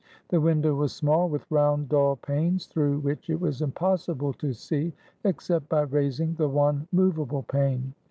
The window was small, with round, dull panes, through which it was impossible to see except by raising the one movable pane.